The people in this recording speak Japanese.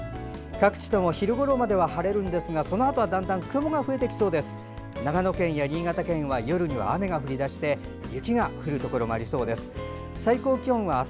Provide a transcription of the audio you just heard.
各地とも昼ごろまでは晴れますがそのあとは、だんだんと雲が増えてきそうです。